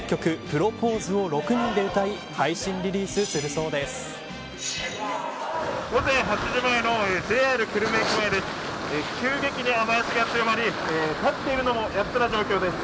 プロポーズを６人で歌い配信リリースするそうです。